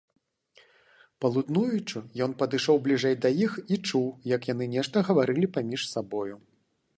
Палуднуючы, ён падышоў бліжэй да іх і чуў, як яны нешта гаварылі паміж сабою.